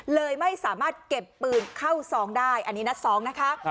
เลยไม่สามารถเก็บปืนเข้าซองได้อันนี้นัดสองนะคะ